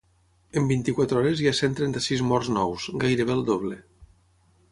En vint-i-quatre hores hi ha cent trenta-sis morts nous, gairebé el doble.